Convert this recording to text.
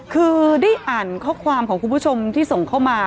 คือได้อ่านข้อความของคุณผู้ชมที่ส่งเข้ามา